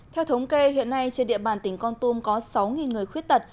theo thống kê hiện nay trên địa bàn tỉnh con tum có sáu người khuyết tật